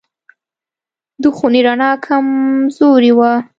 د خونې رڼا کمزورې وه.